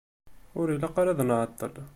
Ur ilaq ara ad nɛeṭṭel.